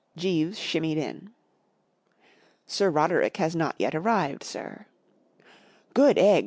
Jeeves shimmied in. " Sir Roderick has not yet arrived* sir/' * Good egg!